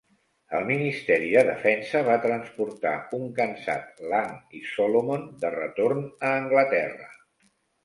El Ministeri de Defensa va transportar un cansat Lang i Solomon de retorn a Anglaterra.